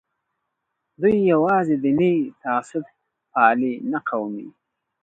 دوی یوازې دیني تعصب پالي نه قومي.